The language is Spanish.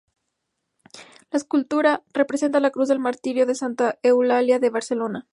La escultura representa la cruz del martirio de Santa Eulalia de Barcelona.